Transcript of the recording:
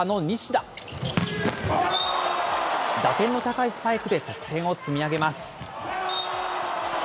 打点の高いスパイクで得点を積み上げます。